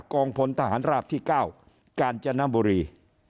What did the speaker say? กองพลทหารราบที่๙กาญจนบุรี